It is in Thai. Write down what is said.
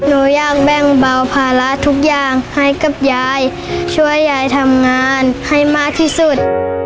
หนูอยากแบ่งเบาภาระทุกอย่างให้กับยายช่วยยายทำงานให้มากที่สุด